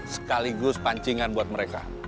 sekaligus pancingan buat mereka